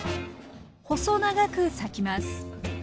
細長く裂きます。